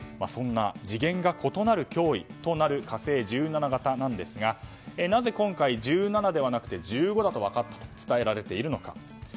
そんな次元が異なる脅威となる「火星１７」型ですがなぜ今回「１７」ではなく「１５」だと分かったと伝えられているのか。